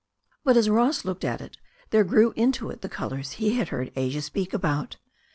But as Ross looked at it there grew into it the colours he had heard Asia speak about.